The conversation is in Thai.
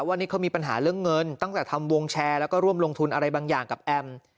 ว่านี่เขามีปัญหาเรื่องเงินตั้งแต่ทำวงแชร์แล้วก็ร่วมลงทุนอะไรบางอย่างกับแอม